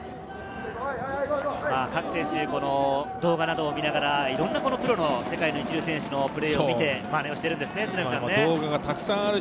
各選手、動画などを見ながらいろいろなプロの世界、一流選手のプレーを見てマネしているんですね。